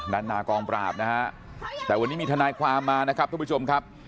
นานากองปราบนะฮะแต่วันนี้มีทนายความมานะครับทุกผู้ชมครับ